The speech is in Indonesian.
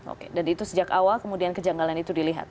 oke dan itu sejak awal kemudian kejanggalan itu dilihat